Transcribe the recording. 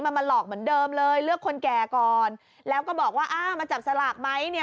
มาหลอกเหมือนเดิมเลยเลือกคนแก่ก่อนแล้วก็บอกว่ามาจับสลากมั้ย